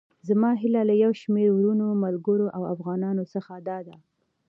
زما هيله له يو شمېر وروڼو، ملګرو او افغانانو څخه داده.